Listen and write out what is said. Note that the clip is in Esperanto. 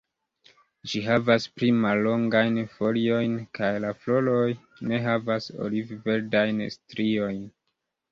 Ĝi havas pli mallongajn foliojn kaj la floroj ne havas oliv-verdajn striojn.